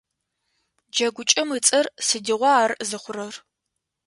Джэгукӏэм ыцӏэр: «Сыдигъуа ар зыхъурэр?».